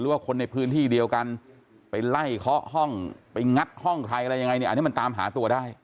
ว่าคนในพื้นที่เดียวกันไปไล่เคาะห้องไปงัดห้องใครอะไรยังไงเนี่ยอันนี้มันตามหาตัวได้